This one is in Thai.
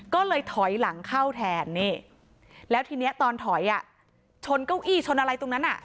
ก็เลยถอยหลังเข้าแทนนี่แล้วทีนี้ตอนถอยอ่ะชนเก้าอี้ชนอะไรตรงนั้นอ่ะ